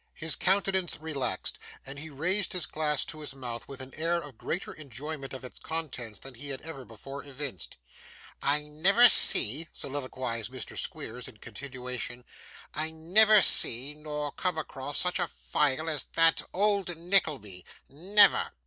His countenance relaxed, and he raised his glass to his mouth with an air of greater enjoyment of its contents than he had before evinced. 'I never see,' soliloquised Mr. Squeers in continuation, 'I never see nor come across such a file as that old Nickleby. Never!